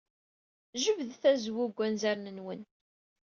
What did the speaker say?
Jebdet azwu seg wanzaren-nwen.